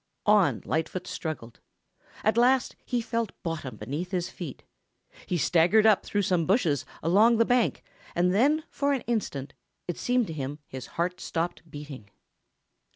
On Lightfoot struggled. At last he felt bottom beneath his feet. He staggered up through some bushes along the bank and then for an instant it seemed to him his heart stopped beating.